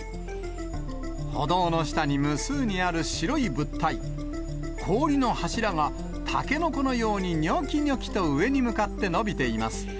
歩道の下に無数にある白い物体、氷の柱がタケノコのようににょきにょきと上に向かって伸びています。